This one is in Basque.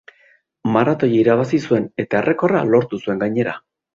Maratoia irabazi zuen eta errekorra lortu zuen gainera.